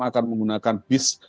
akan menggunakan bis